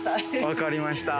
わかりました。